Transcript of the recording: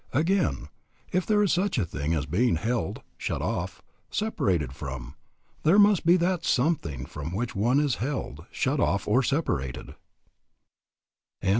Again, if there is such a thing as being helled, shut off, separated from, there must be that something from which one is held, shut off, or separated.